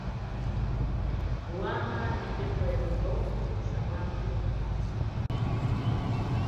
ruaha ni pepo ya viboko samaki na mamba